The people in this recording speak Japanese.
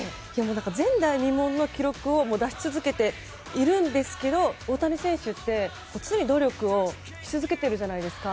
前代未聞の記録を出し続けているんですけど大谷選手って、常に努力をし続けているじゃないですか。